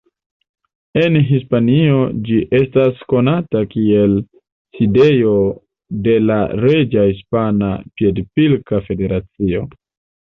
En Hispanio ĝi estas konata kiel sidejo de la Reĝa Hispana Piedpilka Federacio.